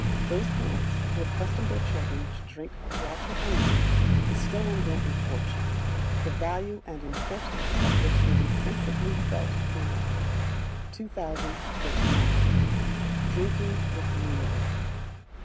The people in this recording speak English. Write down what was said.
Those parents who accustom their children to drink water only, bestow on them a fortune, the value and importance of which will be sensibly felt through life. 2039. Drinking with Meals.